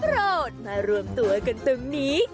โรธมารวมตัวกันตรงนี้